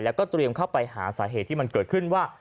แล้วก็เตรียมเข้าไปหาสาเหตุที่มันเกิดขึ้นว่า